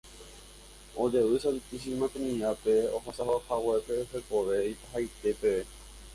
ojevy Santísima Trinidad-pe ohasahaguépe hekove ipahaite peve